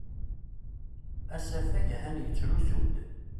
Asafag atan yettrusu-d.